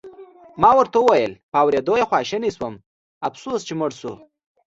ما ورته وویل: په اورېدو یې خواشینی شوم، افسوس چې مړ شو.